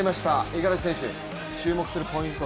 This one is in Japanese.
五十嵐選手、注目するポイント